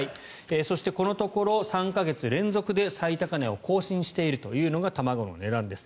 そしてこのところ３か月連続で最高値を更新しているというのが卵の値段です。